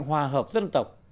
hòa hợp dân tộc